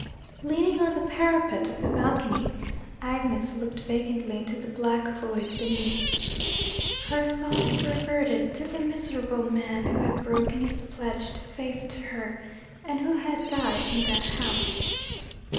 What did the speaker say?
Leaning on the parapet of the balcony, Agnes looked vacantly into the black void beneath. Her thoughts reverted to the miserable man who had broken his pledged faith to her, and who had died in that house.